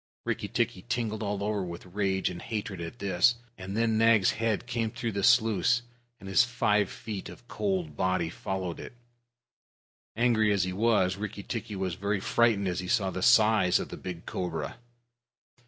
Rikki tikki tingled all over with rage and hatred at this, and then Nag's head came through the sluice, and his five feet of cold body followed it. Angry as he was, Rikki tikki was very frightened as he saw the size of the big cobra.